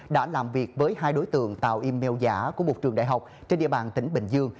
đã làm việc với hai đối tượng tạo email giả của một trường đại học trên địa bàn tỉnh bình dương